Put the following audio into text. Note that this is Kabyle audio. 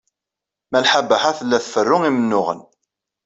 Malḥa Baḥa tella tferru imennuɣen.